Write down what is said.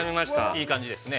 ◆いい感じですね。